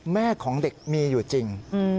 แม่ของเด็กมีอยู่จริง